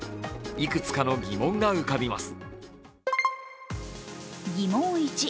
いくつかの疑問が浮かびます。